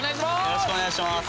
よろしくお願いします。